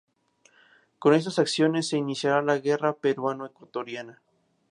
Con estas acciones, se iniciaría la guerra peruano-ecuatoriana.